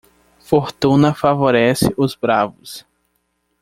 Fortuna favorece os Bravos.